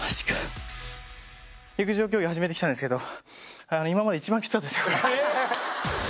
陸上競技始めてきたんですけど今までで一番きつかったです